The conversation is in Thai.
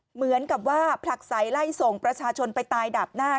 เหมือนกับว่าผลักใสไล่ส่งประชาชนไปตายดาบหน้า